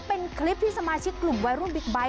เป็นคลิปที่สมาชิกกลุ่มวัยรุ่นบิ๊กไบท์